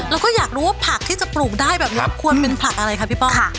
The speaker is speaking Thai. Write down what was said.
เราก็อยากรู้ว่าผักที่จะปลูกได้แบบนี้ควรเป็นผักอะไรคะพี่ป้อง